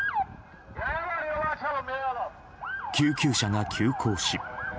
救急車が急行し。